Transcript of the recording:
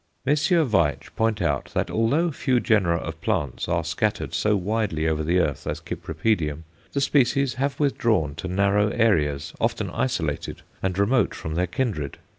Messrs. Veitch point out that although few genera of plants are scattered so widely over the earth as Cypripedium, the species have withdrawn to narrow areas, often isolated, and remote from their kindred.